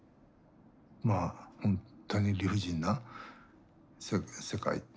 まあほんとに理不尽な世界。